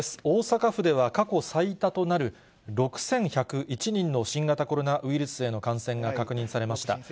大阪府では過去最多となる６１０１人の新型コロナウイルスへの感染が確認されました。